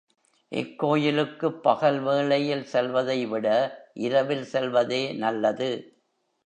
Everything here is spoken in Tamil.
இக்கோயிலுக்குப் பகல் வேளையில் செல்வதைவிட இரவில் செல்வதே நல்லது.